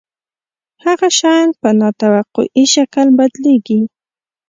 هغه شیان په نا توقعي شکل بدلیږي.